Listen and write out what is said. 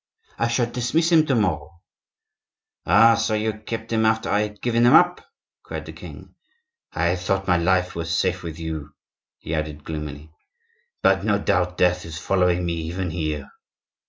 "I shall dismiss him to morrow." "Ah! so you kept him after I had given him up?" cried the king. "I thought my life was safe with you," he added gloomily; "but no doubt death is following me even here."